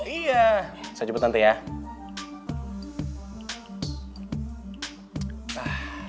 iya saya jemput tante ya